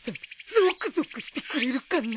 ゾクゾクしてくれるかな？